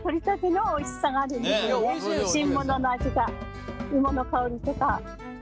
新物の味が芋の香りとか。